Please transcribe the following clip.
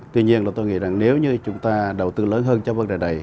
tuy nhiên là tôi nghĩ rằng nếu như chúng ta đầu tư lớn hơn cho vấn đề này